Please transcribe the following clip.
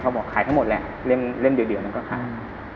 บอกขายทั้งหมดแหละเล่มเดียวมันก็ขาย